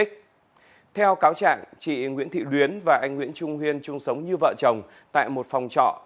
theo cáo trạng chị nguyễn thị luyến và anh nguyễn trung huyên chung sống như vợ chồng tại một phòng trọ